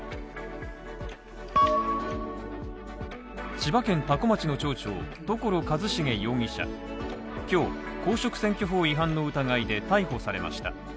千葉県多古町の町長所一重容疑者、今日、公職選挙法違反の疑いで逮捕されました。